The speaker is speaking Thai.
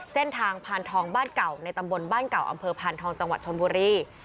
สะพานพานทองบ้านเก่าในตำบลบ้านเก่าอำเภอพานทองจังหวัดชนบุรี